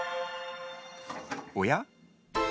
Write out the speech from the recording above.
おや？